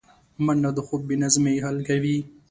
منډه د خوب بې نظمۍ حل کوي